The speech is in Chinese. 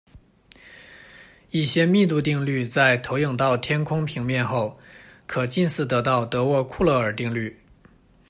一些密度定律在投影到天空平面后，可近似得到德沃库勒尔定律。